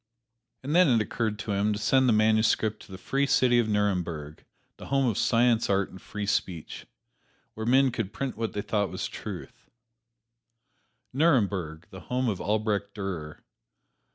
And then it occurred to him to send the manuscript to the free city of Nuremberg, the home of science, art and free speech, where men could print what they thought was truth Nuremberg, the home of Albrecht Durer.